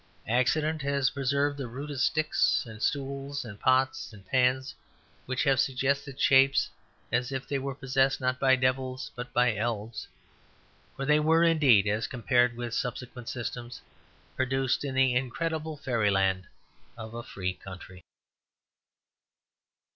Accident has preserved the rudest sticks and stools and pots and pans which have suggestive shapes as if they were possessed not by devils but by elves. For they were, indeed, as compared with subsequent systems, produced in the incredible fairyland of a free country.